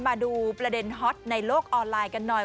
มาดูประเด็นฮอตในโลกออนไลน์กันหน่อย